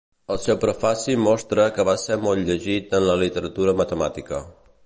El seu prefaci mostra que va ser molt llegit en la literatura matemàtica.